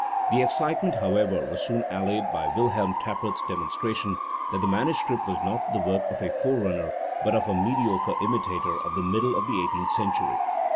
The excitement, however, was soon allayed by WilhelrnTappert's demonstra tion that the manuscript was not the work of a forerunner but of a mediocre imitator of the middle of the eighteenth century.